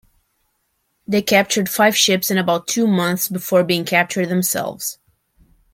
They captured five ships in about two months before being captured themselves.